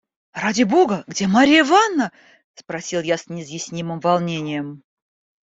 – Ради бога! где Марья Ивановна? – спросил я с неизъяснимым волнением.